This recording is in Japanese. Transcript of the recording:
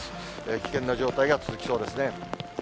危険な状態が続きそうですね。